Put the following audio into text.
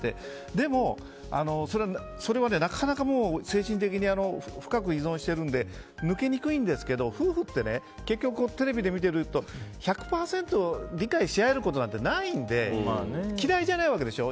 でも、それはなかなか精神的に深く依存しているので抜けにくいんですけど夫婦って結局テレビで見てると１００％理解し合えることなんてないので嫌いじゃないわけでしょ。